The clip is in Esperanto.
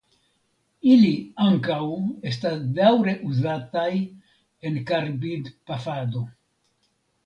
Ili ankaŭ estas daŭre uzataj en karbidpafado.